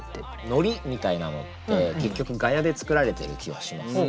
ノリみたいなのって結局「ガヤ」で作られてる気はしますね。